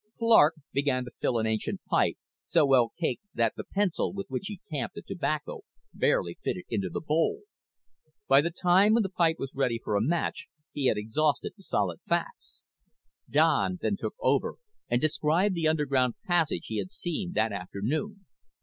Clark began to fill an ancient pipe, so well caked that the pencil with which he tamped the tobacco barely fitted into the bowl. By the time the pipe was ready for a match he had exhausted the solid facts. Don then took over and described the underground passage he had seen that afternoon.